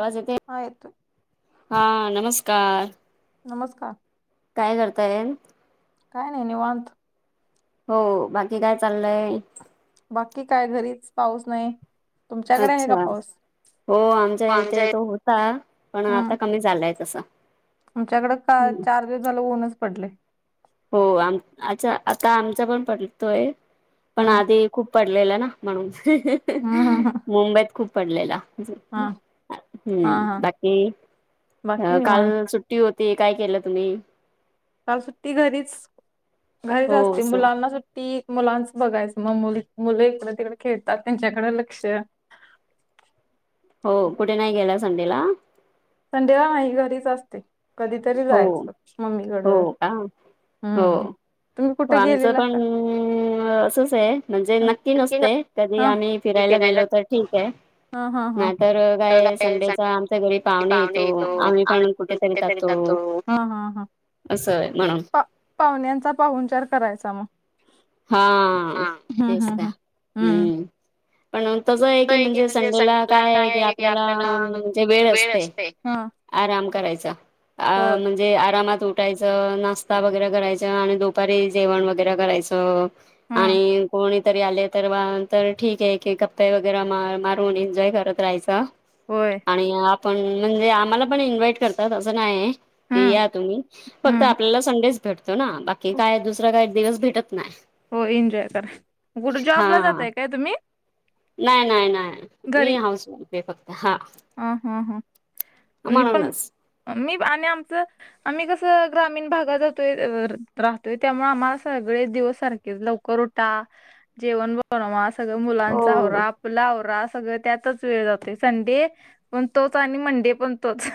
आवाज येतोय हा येतोय हा नमस्कार नमस्कार काय करताय काय नाही निवांत. हो बाकी काय चाललंय. बाकी काय घरीच पाऊस नाही. अच्छा हो आमच्या इथे येत होता पण आता कमी झालाय तसा आमच्याकड काल चार दिवस झालं ऊनच पडलय हो आम आच्छा आता आमचा पण पडतोय पण आधी खूप पडलेला ना म्हणून ह ह ह मुंबईत खूप पडलेला हम बाकी अ काल सुट्टी सुट्टी होती काय केलं तुम्ही काल सुट्टी घरीच घरीच असते मुलांना सुट्टी मुलांच बघायचं मग मुल मुल एकड तिकड खेळतात त्यांच्याकड लक्ष हो कुठे नाही गेला संडेला. संडेला नाही घरीच असते कधीतरी जायचं मम्मीकड. हो हो आमचं पण असच आहे म्हणजे नक्की नसतय. कधी आम्ही फिरायला गेलो तर ठीक आहे नाहीतर काय संडेचा आ घरी पाहुणे येतो आम्ही पण कुठेतरी त अस आहे म्हणून पाहुण्याचा पाहुणचार करायचा म. हा तेच हम्म पण तसं आहे की म्हणजे संडेला काय आहे कि आपल्याला म्हणजे वेळ असते. आराम करायचा अ म्हणज जे आरामात उठायचं नाश्ता वगैरे करायचं आणि दुपारी जेवण वगैरे करायचं. आणि कोणी तरी आले तर तर ठीक आहे [unintelligible] वगैरे मारून एन्जॉय करत राहायच. होय आणि आपण म्हणजे आम्हाला पण इन्व्हाइट करतात असं नाहीये. क या तुम्ही फक्त आपल्याला संडेच भेटतो ना बाकी काय दुसरा काय दिवस भेटत नाही हो एन्जॉय करा कुठे जॉब ला जातय काय तुम्ही? नाही नाही नाही मी हाऊसवाईफ आहे फक्त हा. हा हा हा मी पण मी आणि आमचं आम्ही कसं ग्रामीण भागात जातोय राहतोय त्यामुळ आम्हाला सगळे दिवस सारखे लवकर उठा, जेवण बनवा, सगळं मुलांचा आवरा, आपल आवरा सगळं त्यातच वेळ जातोय संडे पण तोच आणि मंडे पण तोच.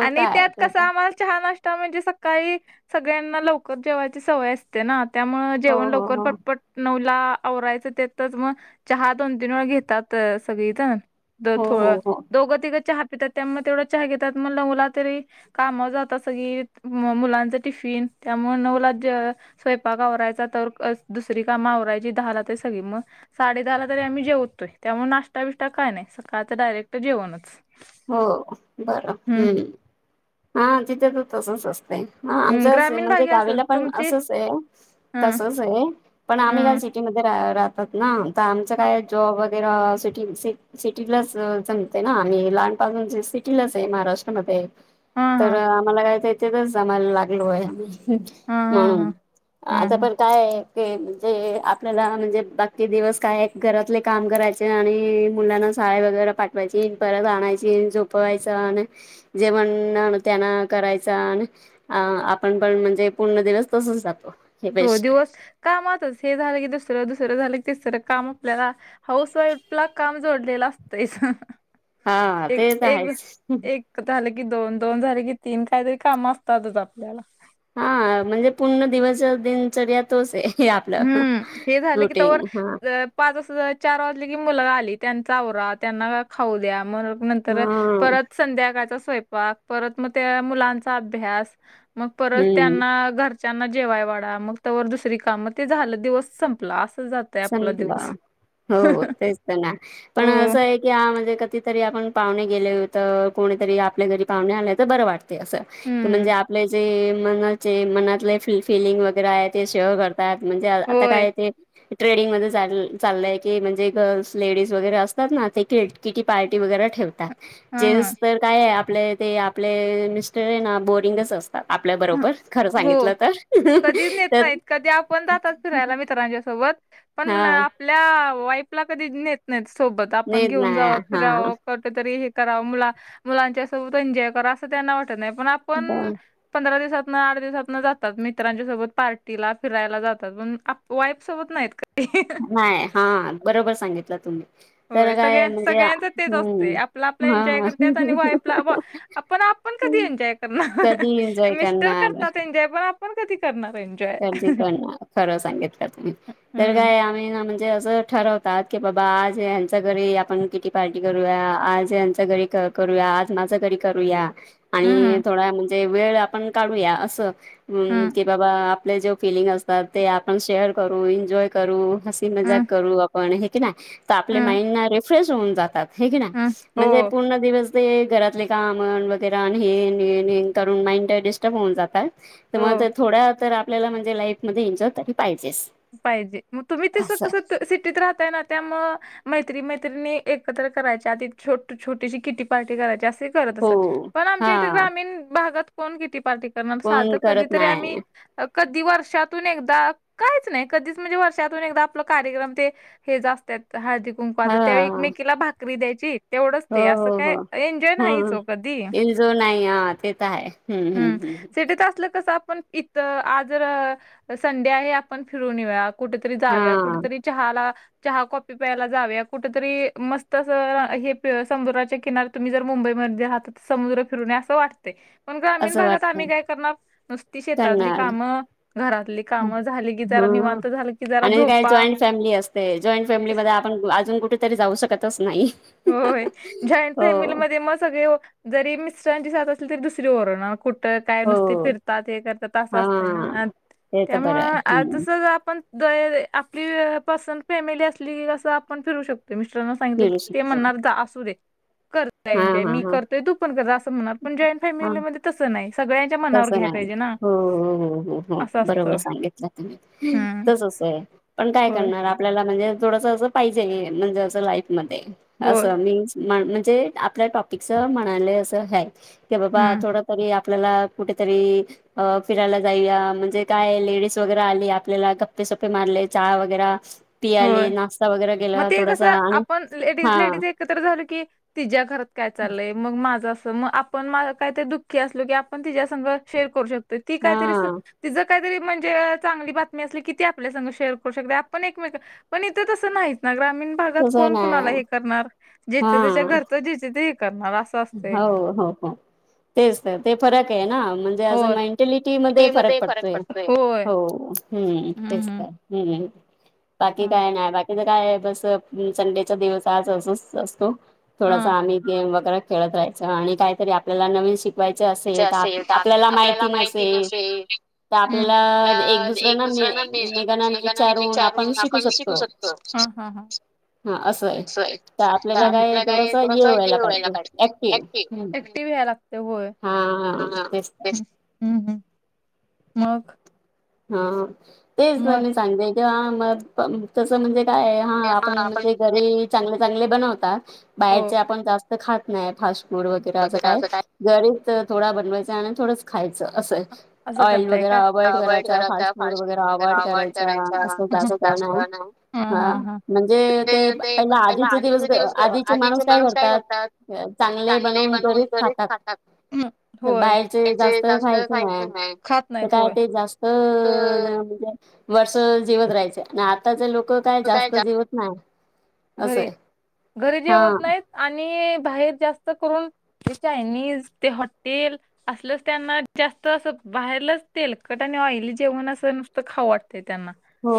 आणि त्यात कस आम्हाला चहा, नाष्टा म्हणजे स काळी सगळ्यांना लवकर जेवायची सवय असते ना त्यामुळ जेवण लवकर पटपट नऊला आवरायचं तेच मग चहा दोन, तीन वेळा घेतात सगळी जन. द थोडं दोघं, तिघं चहा पितात त्यामुळे तेवढं चहा घेतात त्यामुळं नऊला तरी कामाव जातात सगळीच म मुलांच टिफिन त्यामुळ नऊला जे स्वयंपाक आवरायचा तवर दुसरी काम आवरायची दहाला ते सगळी मग साडे दहाला तरी आम्ही जेवतोय त्यामुळे नाश्ता, बिष्टा काय नाही सकाळच डायरेक्ट जेवणच. हो बरं हम्म हा तिथे ते तसच असतंय. हा आमच म्हणजे गावीला पण असंच आहे, तसच आहे पण आम्ही गायची राहतात ना त आमच काय जॉब [unintelligible] सिट सिटीलाच जमते ना आणि [unintelligible] [unintelligible] सिटीलाच आहे महाराष्ट्रामध्ये तर आम्हाला काय [unintelligible] जमायला लागेल आहे म्हणून आता पण काय ते ते आपल्याला म्हणजे बाकी दिवस काय घरातले काम करायच. आणि मुलांना शाळे वगैरे पाठवायची, परत आणायची, झोपवायचं आणि जेवण त्यांना करायचं आणि अ आपण पण म्हणजे पूर्ण दिवस तसच जातो. हो दिवस काम आातच ते झालं की दुसरं, दुसरं झालं तिसरं काम आपल्याला हाऊस वाईफ ला काम जोडलेलं असतयच. हा ते तर आहेच. झालं की दोन, दोन झाले की तीन, कायतरी काम असतातच आपल्याला. हा म्हणजे पूर्ण दिवस दिनचर्यात तोच हे- हे आपलं रुटीन हा. पाच [unintelligible] चार वाजले की मुलं आली त्यांच आवरा, त्यांना खाऊ द्या म नंतर परत संध्याकाळचा स्वयंपाक, परत मग त्या मुलांचा अभ्यास. मग परत त्यांना घरच्यांना जेवाय वाढा, मग तवर दुसरी काम ते झालं, दिवस संपला असं जात संपला हो तेच तर ना पण असंय? यामध्ये कधीतरी आपण पाहुणे गेल तर कोणीतरी आपल्या घरी पाहुणे आले तर बरं वाटतं. ते अस की म्हणजे आपले जे मनाचे मनातल्या फि- फिलिंग वगैरे आहे ते शेर करता त्यात म्हणजे आता काय ते ट्रेडिंग मध्ये चाल-चाललंय की, म्हणजे गर्ल्स लेडीज वगैरे असतात ना ते कि- किटी पार्टी वगैरे ठेवतात. जेनस तर कायहे आपले ते आपले मिस्टर हे ना बोरिंगच असत. आपल्याबरोबर खरं सांगितलं तर, ह ह तर जातात फिरायला मित्रांच्यासोबत. पण आपल्या वाईफला कधी नेत नायत सोबत. आपण घेऊन जाव, फिरावं कोठतरी हे कराव मुला-मुलांच्या सोबत एन्जॉय करा असं त्यांना वाटत नाही पण आपण पंधरा दिवसातन, आठ दिवसातन जातात मित्रांच्या सोबत पार्टीला, फिरायला जातात पण आप वाईफ सोबत नायत कधी. नाय हा बरोबर सांगितलं तुम्ही. होय सगळ्या- सगळ्यांच तेच असतय आपलं आपलं एन्जॉय करत्यात आणि वाइफला आ- पण आपण कधी एन्जॉय करणार, मिस्टर करतात एन्जॉय पण आपण कधी करणार एन् [unintelligible] [unintelligible] खरं सांगितलं तुम्ही, तर काय आम्ही ना म्हणजे असं ठरवतात की, बाबा आज ह्यांच्या घरी आपण किटी पार्टी करूया, आज यांच्या घरी क करूया आज माज्या घरी करूया. आणि थोडा म्हणजे वेळ आपण काढूया, असं की बाबा [unintelligible] जे फिलिंग असतात ते आपण शेअर करू, इन्जॉय करू. हसी मजाक करू आपण हे की नाय, तर आपले माइंड ना रिफ्रेश होऊन जातात. हे की नाय म्हणजे पूर्ण दिवस ते घरातले काम वगैरे हेन हें हें करून माइंड तं डिस्टर्ब होऊन जात. तर मग थोडा तर आपल्याला, म्हणजे लाईफमध्ये एन्जॉय तरी पाहिजेच. पाहिजे, मग तुम्ही तसं कसं सिटीत राहताय ना त्यामुळ मैत्री मैत्रिणी एकत्र करायच्या, आधी छोट- छोटीशी किटी पार्टी करायची असे करत असत, पण आमच्या इथे ग्रामीण भागात कोण किटी पार्टी करणार, साध कधीतरी आम्ही कधी वर्षातून एकदा कायच [unintelligible] कधीच म्हणजे वर्षात आप कार्यक्रम ते हेच असत्यात हळदी कुंकवाच त्यावेळी एकमेकीला भाकरी द्यायची. तेवढंच ते, असं काय एन्जॉय नाहीच ओ कधी. हम्, सिटीत असलं कसं आपण इ तर आजर संडे आहे आपण फिरून येऊया. कुठतरी जाउया कुठतरी चहाला चहा कॉपी प्यायला जावया, कुठतरी मस्त अस हे पिउ समुद्राच्या किनारी तुम्ही जर मुंबईमध्ये आहात, तर समुद्र फिरूनये असं वाटतय. पण ग्रामीण भागात आम्ही काय करणार, नुसती शेतातली काम, घरातली कामं झाली ग ह आणि काय जॉईंट फॅमिली असते, जॉईंट फॅमिलीमध्ये त्या आपण अजून कुठेतरी जाऊ शकतच नाही. होय जॉईंट फॅमिलीमध्ये म सगळे ओ जरी मिस्टरांची जात असली तरी दुसरे ओरडणा कु तं काय नुसती फिरतात हे करतातं असं असतंय ना त्यामुळं आ जसं जर आपण [unintelligible] आपली पर्सन फॅमिली असली की कसं आपण फिरू शकतोय मिस्टरांना सांगितलं की ते म्हणणार जा असु दे कर एन्जॉय मी करतोय तू पण कर म्हणणार पण जॉइंट फमिलीमध्ये तसं नाही सगळ्यां तसं नाही हो हो हो हो हो बरोबर सांगितलं तुम्ही तसस आहे. पण काय करणार आपल्याला म्हणजे थोडस असं पाहिजे म्हणजे असं लाईफ मध्ये. असं मीन्स म्हण म्हणजे आपल्या टॉपिकच म्हणाले असं हाय. कि बाबा थोड तरी आपल्याला कुठेतरी अ फिरायला जाऊया म्हणजे काय लेडीज वगैरे आली आपल्याला गप्पे सप्पे मारले चहा वगैर पियाली नाश्ता वगैरे गेलं थोडसा आणि हा. एकत्र झालं की तिज्या घरात काय चालयल मग माझं असं मग आपण माय काहीतरी दुःखी असलो की आपण तिज्या संग शेअर करू शक तर ती काहीतरी सू तिजं काहीतरी म्हणजे चांगली बातमी असली की ती आपल्यास शेअर करू शकते आपण एक मेका पण इथे तसं नाहीत ना ग्रामीण भागात कोण कुणाला हे करणार जेत त्याच्या घरचा जे चे तेही करणार. हाव हाव हाव तेच तर ते फरक आहे ना. ते असं मेंटलिटी मध्ये फरक पडतोय हो हम्म तेच तर. हम्म बाकी काय नाही बा त्याज्या काय आहे बस संडेचा दिवस आज असच असतो थोडासा आम्ही गेम वगैरे खेळत राहायचं आणि काहीतरी आपल्याला नवीन शिक वायच असेल तर आप आपल्याला माहिती नसेल तर आपल्याला एक दुसऱ्याना मे मेकांना विचारून आपण शिकू शकतो. तो हा हा असं आहे हम्म आपल्याला काय थोडसा ये व्हायला पाहि ऍ ऍक्टिव ऍक्टिव्ह ह्या लागते होय. हा. हा तेच हम्म हम्म मग. हा तेच ना मी सांगते किंवा मर तम तसं म्हणजे काय हाय हा म आपण ते घरी चांगले चांगले बनवतात बाहेरचे आपण जास्त खात नाही फास्ट फूड वगैरे असं काय. घरीच तर थोडा बनवायचा आणि थोडंच खायचं असंय ऑइल वगैरे अवॉइड कराय चा फाट फूड वगर अवॉइड करायचा असं जास्त नाय हा. म्हणजे ते पहिले आधीचे दिवस गं आधीचे माणूस काय करतात [unintelligible] चांगले बनवून घरीच खातात तर बाहेरचे जास्त खाय पण हाय तर काय ते जास्त म्हणजे वर्ष जिवत राहायचं. आणि आताचे लोकं काय जास्त जिवत नाय असंय हा. आणि बाहेर जास्त करून ते चायनीज ते हॉटेल असलच त्यांना जास्त असं बाहेरलंच तेलकट आणि ऑइली जेवण असं नुसतं खाऊ वाटतं त्यांना. हो.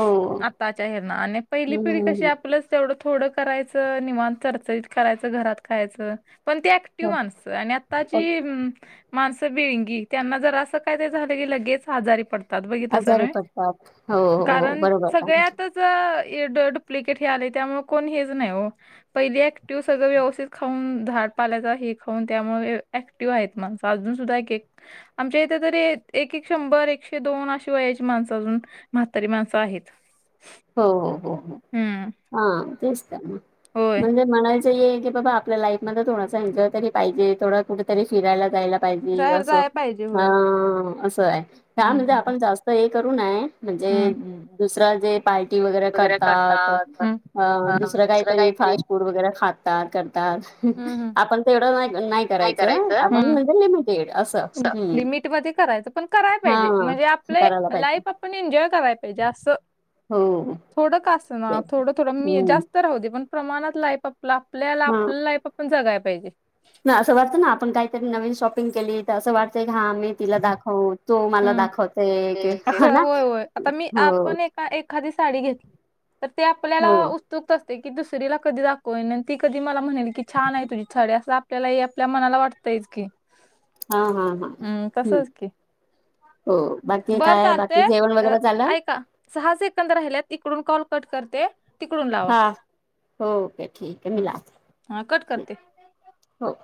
ना आणीनपहिली पिढी कशी आप पलं तेवढं थोडं करायचं निवान चरचरीत करायचं घरात खायचं पण ते एक टिव माणसं आणि आताची माणसं बिळंगी त्यांना जर असं काय ते झालं की लगेच आजारी पडत त्यात बघितलासा नवे, कारण सगळ्यात. च हे डुप्लिकेट हे आले त्यामुळे कोण हेच नाही हो. पहिली ऍक्टिव सगळं व्यवस्थित खाऊन झाड पाल्यायचं हे खान त्यामुळे एक्टिव आहेत माणस, अजून सुद्धा एक-एक आमच्या इथे तरी एक-एक शंभर. एकशे दोन अशी वयाची माणसं अजून म्हातारी माणसं आहेत. हो-हो-हो, हा तेच तर ना, म्हणजे म्हणायच की बाबा आपल्या लाईफ मध्ये थोडा एजॉय तरी पाहिजे. थोडा कुटतरी फिरायला जायला. पाहिजे अस, हा, असं आहे. त्या म्हणजे आपण जास्त हे करू नये. म्हणजे दुसरं जे पार्टी वगैरे करतात अ दुसरं काहीतरी फास्ट फूड वगैरे खातात करतात. आपण तेवढं नाय-नाय करायच, आपण म्हणजे लिमिटेड असं च लिमिटमधे करायचं पण कराय पाहिजे म्हणजे आपले लाईफ पण एन्जॉय कराय पाहिजे असं. थोडं का असना, थोड-थोडं मी जास्त राहूदे पण प्रमाणात लाइफ आप आप आपल्याला आपल लाईफ आपण जगाय पाहिजे. ना, असं वाटतं ना, आपण काहीतरी नवीन शॉपिंग केली त असं वाटतंय की हा मी तिला दाखवू तो मला दाखतेय. एक-एक ह ना, हो. एखादी साडी घेतली, तर ते आपल्याला ऊत स्तुक असते की दुसरीला कधी दाखवीन आणि ती कधी मला म्हणेल की छान आहे तुझी साडी असं आप ल्यालाही आपल्या मनाला वाटतयच की. हा-हा-हा-हा, हम्म. बरं चालते, अ ऐका, सहा सेंकद राहिलेत. इकडून कॉल कट करते. हा, ओके ठीक आहे. मि लावते हम्म हो.